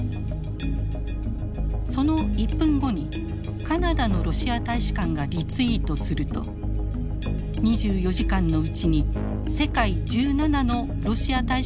その１分後にカナダのロシア大使館がリツイートすると２４時間のうちに世界１７のロシア大使館などが次々とリツイート。